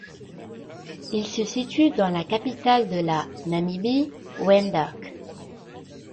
Il se situe dans la capitale de la Namibie, Windhoek.